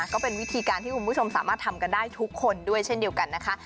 ก็เป็นวิธีการที่คุณผู้ชมสามารถทำกันได้ทุกคนด้วยเช่นเดียวกันนะคะ